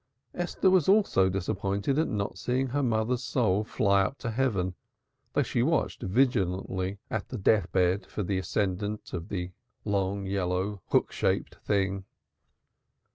Esther was also disappointed at not seeing her mother's soul fly up to heaven though she watched vigilantly at the death bed for the ascent of the long yellow hook shaped thing.